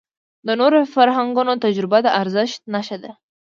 د نورو فرهنګونو تجربه د ارزښت نښه ده.